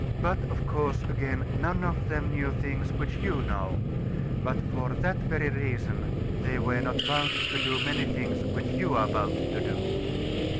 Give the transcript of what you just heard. But, of course, again, none of them knew things which you know; but for that very reason they were not bound to do many things which you are bound to do.